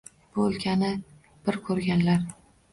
Bu o‘lkani bir ko‘rganlar